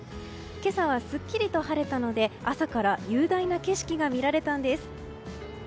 今朝はすっきりと晴れたので朝から雄大な景色が見られたんです。